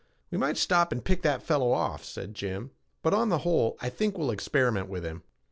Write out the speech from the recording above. "We might stop and pick that fellow off," said Jim, "but, on the whole, I think we'll experiment with him."